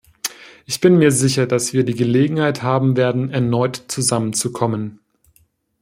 Ich bin mir sicher, dass wir die Gelegenheit haben werden, erneut zusammenzukommen.